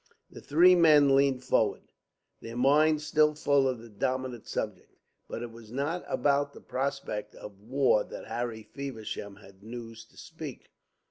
The three men leaned forward, their minds still full of the dominant subject. But it was not about the prospect of war that Harry Feversham had news to speak.